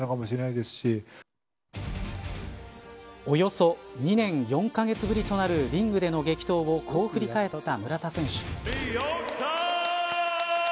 およそ２年４カ月ぶりとなるリングでの激闘をこう振り返った村田選手。